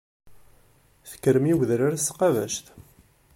Tekkrem i wedrar s tqabact.